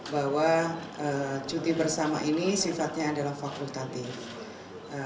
bahwa cuti bersama ini sifatnya adalah fakultatif